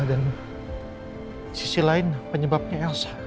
dan sisi lain penyebabnya elsa